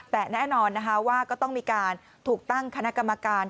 แต่แน่นอนนะคะว่าก็ต้องมีการถูกตั้งคณะกรรมการ